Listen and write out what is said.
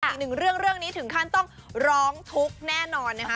อีกหนึ่งเรื่องเรื่องนี้ถึงขั้นต้องร้องทุกข์แน่นอนนะคะ